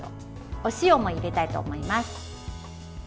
お塩も入れたいと思います。